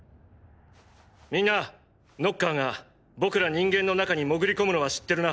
みんなノッカーが僕ら人間の中に潜り込むのは知ってるな。